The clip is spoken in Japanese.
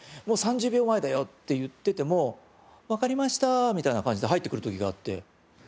「もう３０秒前だよ？」って言ってても「わかりましたぁ」みたいな感じで入ってくる時があって。